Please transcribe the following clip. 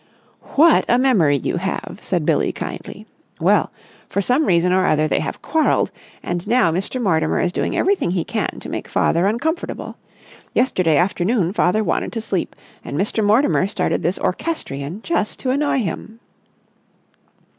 "What a memory you have!" said Billie kindly. "Well, for some reason or other they have quarrelled, and now Mr. Mortimer is doing everything he can to make father uncomfortable. Yesterday afternoon father wanted to sleep, and Mr. Mortimer started this orchestrion just to annoy him."